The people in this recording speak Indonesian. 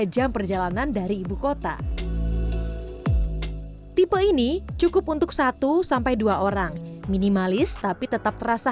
jam perjalanan dari ibu kota tipe ini cukup untuk satu sampai dua orang minimalis tapi tetap terasa